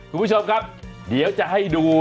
คุณผู้ชมครับเดี๋ยวจะให้ดู